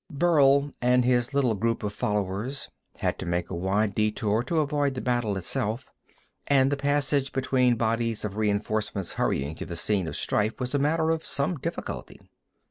Burl and his little group of followers had to make a wide detour to avoid the battle itself, and the passage between bodies of reinforcements hurrying to the scene of strife was a matter of some difficulty.